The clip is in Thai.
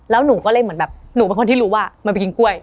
แล้วหนูก็เลยเหมือนแบบหนูเป็นคนที่รู้ว่ามันไปกินกล้วย